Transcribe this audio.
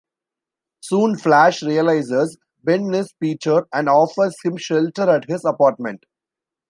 Soon, Flash realizes Ben is Peter and offers him shelter at his apartment.